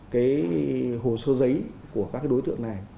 cái hồ sơ giấy của các đối tượng này